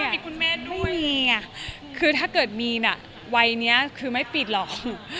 ไม่มีอะคือถ้าเกิดมีนะวัยเนี้ยคือไม่ปิดหรอก